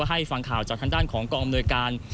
ให้ฟังข่าวจากทางด้านของกองอำนวยการ